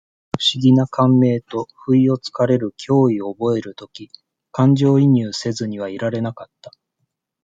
不思議な感銘と、不意を疲れる脅威を覚える時、感情移入せずにはいられなかった。